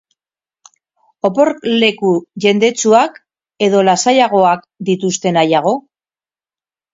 Oporleku jendetsuak edo lasaiagoak dituzte nahiago?